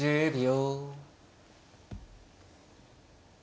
１０秒。